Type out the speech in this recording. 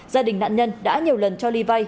gia đình nạn nhân đã nhiều lần cho ly vay